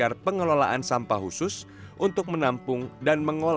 arki gilang ramadhan ini akhirnya dilirik dinas lingkungan hidup kabupaten banyumas jawa tengah